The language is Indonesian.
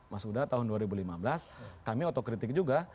mas huda tahun dua ribu lima belas kami otokritik juga